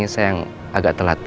saya yang agak telat